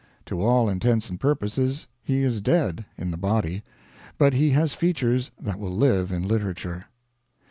To all intents and purposes he is dead in the body; but he has features that will live in literature.